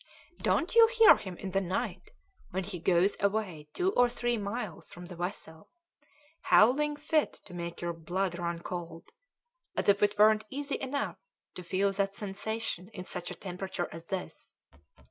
Don't you hear him in the night when he goes away two or three miles from the vessel, howling fit to make your blood run cold, as if it weren't easy enough to feel that sensation in such a temperature as this?